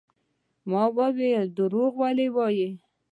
ما وويل دروغ ولې وايې.